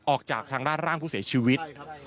ออกจากทางด้านร่างผู้เสียชีวิต